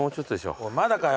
おいまだかよ。